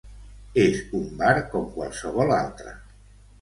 És un bar com qualsevol altre.